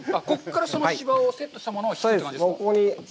ここからその柴をセットしたものを引くって感じですか。